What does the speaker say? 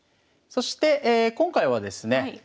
そして今回はですね